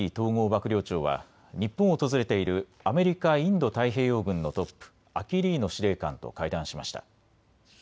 幕僚長は日本を訪れているアメリカインド太平洋軍のトップ、アキリーノ司令官と会談しました。